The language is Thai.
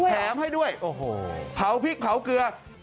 แถมให้ด้วยโอ้โหเผาพริกเผาเกลือ